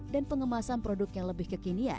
dan pengemasan produk yang lebih kekinian